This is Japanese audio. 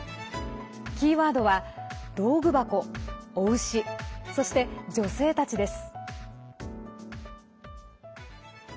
キーワードは道具箱、雄牛そして女性たちです。